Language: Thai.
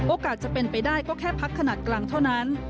จะเป็นไปได้ก็แค่พักขนาดกลางเท่านั้น